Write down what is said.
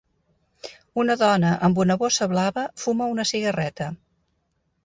Una dona amb una bossa blava fuma una cigarreta